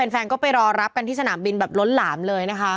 แฟนก็ไปรอรับกันที่สนามบินแบบล้นหลามเลยนะคะ